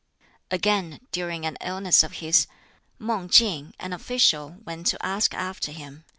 Again, during an illness of his, Mang King, an official, went to ask after him.